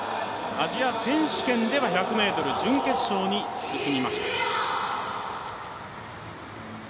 アジア選手権では１００ｍ準決勝に進みました。